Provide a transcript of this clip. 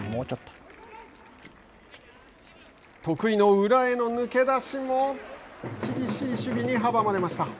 得意の裏への抜け出しも厳しい守備に阻まれました。